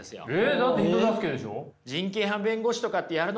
だって人助けでしょ？